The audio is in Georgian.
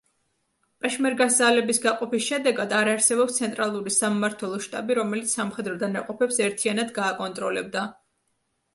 პეშმერგას ძალების გაყოფის შედეგად, არ არსებობს ცენტრალური სამმართველო შტაბი, რომელიც სამხედრო დანაყოფებს ერთიანად გააკონტროლებდა.